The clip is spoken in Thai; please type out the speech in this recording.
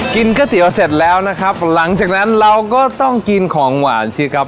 ก๋วยเตี๋ยวเสร็จแล้วนะครับหลังจากนั้นเราก็ต้องกินของหวานสิครับ